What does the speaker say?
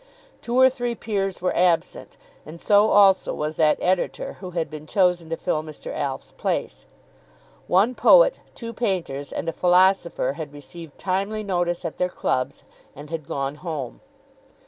Two or three peers were absent, and so also was that editor who had been chosen to fill Mr. Alf's place. One poet, two painters, and a philosopher had received timely notice at their clubs, and had gone home.